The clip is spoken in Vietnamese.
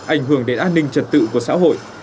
ảnh hưởng đến an ninh trật tự của xã hội